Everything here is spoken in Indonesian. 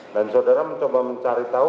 dan saudara mencoba mencari tahu